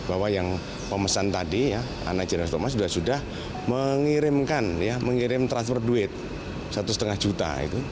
bahwa yang pemesan tadi anak jeremy s thomas sudah mengirimkan mengirim transfer duit satu setengah juta itu